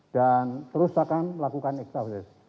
dan terus akan melakukan ekstabilis